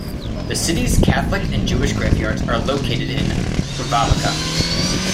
The city's Catholic and Jewish graveyards are located in Grbavica.